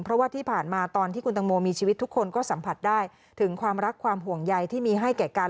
เพราะว่าที่ผ่านมาตอนที่คุณตังโมมีชีวิตทุกคนก็สัมผัสได้ถึงความรักความห่วงใยที่มีให้แก่กัน